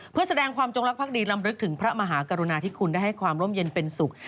เพื่อแสดงความจงรักภักดีลำลึกถึงพระมหากรุณาที่คุณได้ให้ความร่มเย็นเป็นสุข